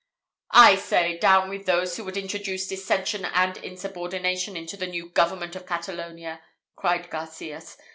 "I say, down with those who would introduce dissension and insubordination into the new government of Catalonia!" cried Garcias.